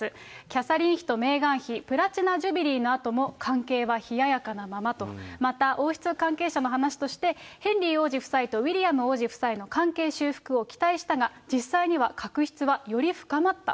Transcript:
キャサリン妃とメーガン妃、プラチナ・ジュビリーのあとも関係は冷ややかなままと、また王室関係者の話として、ヘンリー王子とウィリアム王子夫妻の関係修復を期待したが、実際には確執はより深まった。